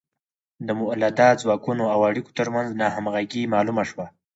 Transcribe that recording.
د مؤلده ځواکونو او اړیکو ترمنځ ناهمغږي معلومه شوه.